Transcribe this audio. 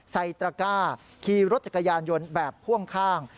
ตระก้าขี่รถจักรยานยนต์แบบพ่วงข้าง